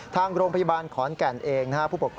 ทางโรงพยาบาลขอนแก่นเอง